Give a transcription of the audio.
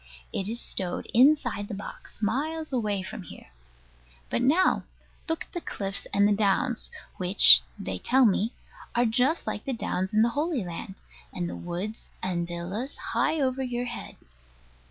It is stowed inside the box, miles away from here. But now, look at the cliffs and the downs, which (they tell me) are just like the downs in the Holy Land; and the woods and villas, high over your head.